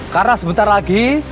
karena sebentar lagi